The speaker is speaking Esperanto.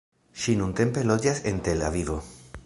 Ŝi nuntempe loĝas en Tel Avivo.